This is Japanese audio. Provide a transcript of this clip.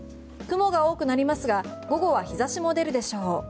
雲が多くなりますが午後は日差しも出るでしょう。